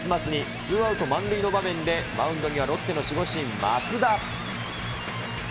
ツーアウト満塁の場面でマウンドにはロッテの守護神、益田。